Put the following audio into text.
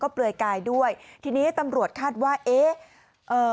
เปลือยกายด้วยทีนี้ตำรวจคาดว่าเอ๊ะเอ่อ